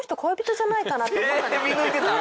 見抜いてたん！？